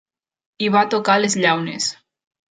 I va tocar les llaunes.